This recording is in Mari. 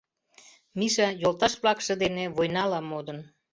Миша йолташ-влакше дене войнала модын.